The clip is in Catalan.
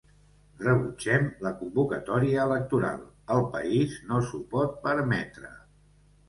Rebutgem la convocatòria electoral, el país no s’ho pot permetre.